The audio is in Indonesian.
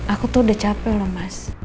aku tuh udah capek loh mas